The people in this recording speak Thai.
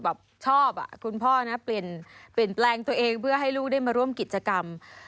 แบบชอบคุณพ่อนะเปลี่ยนแปลงตัวเองเพื่อให้ลูกได้มาร่วมกิจกรรม